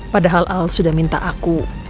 padahal al sudah minta aku